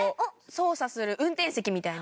操作する運転席みたいな。